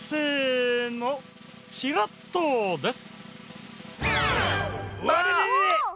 せのチラッとです！